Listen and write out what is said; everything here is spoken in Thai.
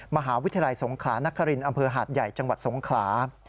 มหาวิทยาลัยสงขลานครินอำเภอหาดใหญ่จังหวัดสงขลา